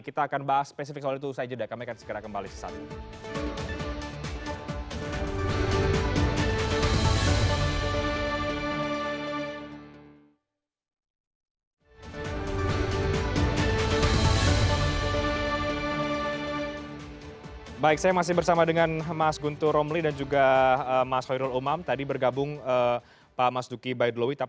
kita akan bahas spesifik soal itu selanjutnya